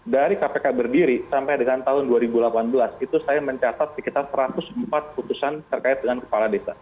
dari kpk berdiri sampai dengan tahun dua ribu delapan belas itu saya mencatat sekitar satu ratus empat putusan terkait dengan kepala desa